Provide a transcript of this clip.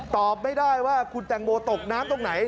ตอบไม่ได้ว่าคุณแตงโมตกน้ำตรงไหน